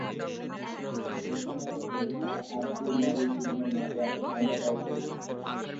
এসময় খলিফা Abdul Malik ibn Marwan ক্ষমতায় ছিলেন।